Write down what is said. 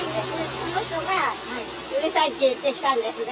その人がうるさいって言ってきたんですが。